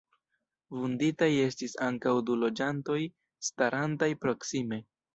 Vunditaj estis ankaŭ du loĝantoj starantaj proksime.